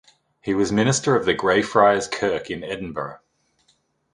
He was minister of the Greyfriars Kirk in Edinburgh.